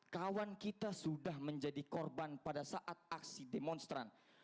kawan kita sudah menjadi korban pada saat aksi demonstran